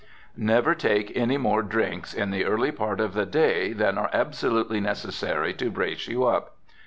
Never take any more drinks in the early part of the day than are absolutely necessary to brace you up.